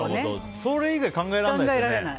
それ以外考えられないですね。